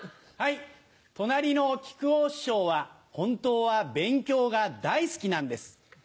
隣の木久扇師匠は本当は勉強が大好きなんです。